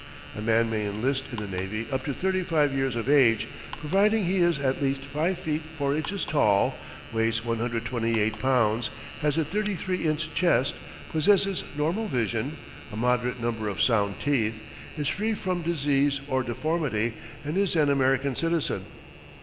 A man may enlist in the navy up to thirty five years of age, provided he is at least 5 feet 4 inches tall, weighs 128 pounds, has a 33 inch chest, possesses normal vision, a moderate number of sound teeth, is free from disease or deformity, and is an American citizen.